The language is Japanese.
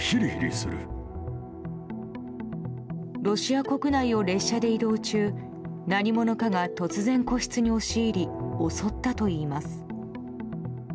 ロシア国内を列車で移動中何者かが突然個室に押し入り襲ったといいます。